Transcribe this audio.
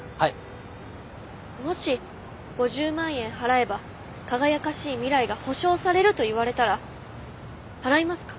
もし５０万円払えば輝かしい未来が保証されると言われたら払いますか？